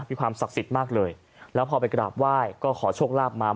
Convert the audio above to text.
มีความศักดิ์สิทธิ์มากเลยแล้วพอไปกราบไหว้ก็ขอโชคลาภมา